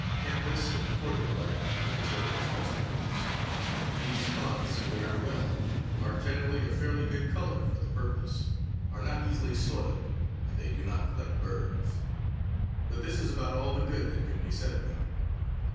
Canvas and cordu roy are the materials most used. These cloths wear well, are generally of fairly good color for the purpose, are not easily soiled, and they do not collect burs; but this is about all the good that can be said of them.